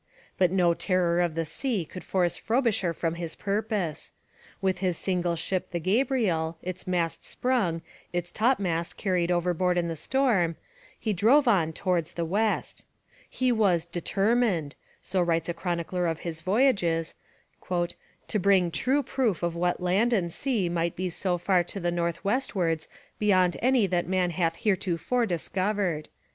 But no terror of the sea could force Frobisher from his purpose. With his single ship the Gabriel, its mast sprung, its top mast carried overboard in the storm, he drove on towards the west. He was 'determined,' so writes a chronicler of his voyages, 'to bring true proof of what land and sea might be so far to the northwestwards beyond any that man hath heretofore discovered.'